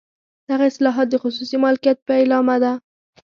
دغه اصلاحات د خصوصي مالکیت پیلامه ده.